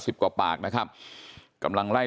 กว่าปากนะครับกำลังไล่